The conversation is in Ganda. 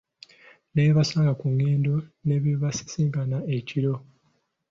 Ne be basanga ku nguudo, ne be basisinkana ekiro?